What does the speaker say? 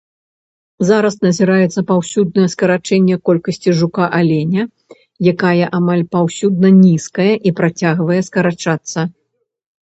Зараз назіраецца паўсюднае скарачэнне колькасці жука-аленя, якая амаль паўсюдна нізкая і працягвае скарачацца.